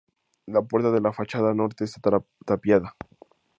La puerta de la fachada norte está tapiada.